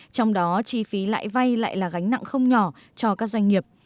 trong đó chi phí lãi vay lại là gánh nặng không nhỏ cho các doanh nghiệp